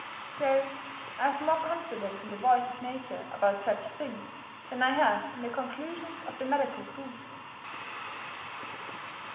So, I have more confidence in the voice of nature about such things than I have in the conclusions of the medical schools.